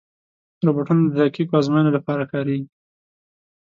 روبوټونه د دقیقو ازموینو لپاره کارېږي.